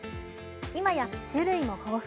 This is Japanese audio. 今や種類も豊富。